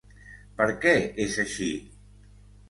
Per què és així?